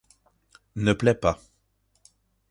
Ne plaît pas ;